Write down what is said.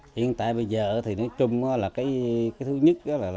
hiện tại bây giờ thì nói chung là cái thứ nhất là